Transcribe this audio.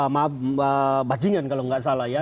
maaf bajingan kalau nggak salah ya